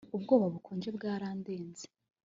ubwoba bukonje bwarandenze